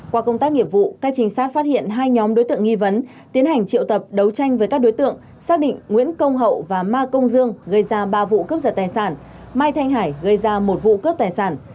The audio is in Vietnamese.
qua công tác nghiệp vụ các trinh sát phát hiện hai nhóm đối tượng nghi vấn tiến hành triệu tập đấu tranh với các đối tượng xác định nguyễn công hậu và ma công dương gây ra ba vụ cướp giật tài sản mai thanh hải gây ra một vụ cướp tài sản